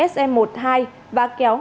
sm một mươi hai và kéo